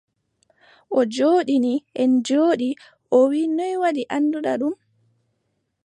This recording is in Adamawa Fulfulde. O joɗɗini, en njooɗi, o wii : noy waɗi annduɗa ɗum ?